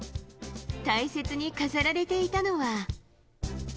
大切に飾られていたのは。